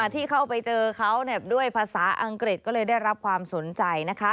ที่เข้าไปเจอเขาด้วยภาษาอังกฤษก็เลยได้รับความสนใจ